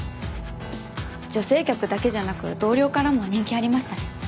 女性客だけじゃなく同僚からも人気ありましたね。